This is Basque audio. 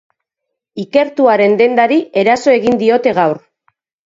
Ikertuaren dendari eraso egin diote gaur.